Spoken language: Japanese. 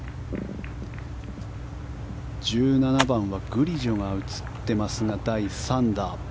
１７番はグリジョが映っていますが、第３打。